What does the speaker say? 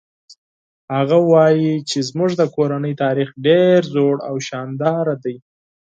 هغه وایي چې زموږ د کورنۍ تاریخ ډېر زوړ او شانداره ده